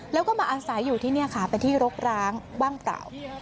แล้วก็มาอาศัยอยู่ที่นี่ค่ะเป็นที่รกร้างว่างเปล่า